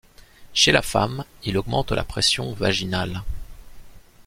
Chez la femme il augmente la pression vaginale.